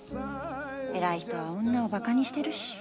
偉い人は女をバカにしてるし。